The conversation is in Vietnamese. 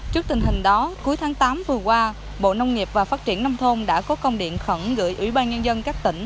trước tình hình đó cuối tháng tám vừa qua bộ nông nghiệp và phát triển nông thôn đã có công điện khẩn gửi ủy ban nhân dân các tỉnh